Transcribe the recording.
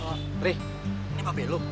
prih ini pak belu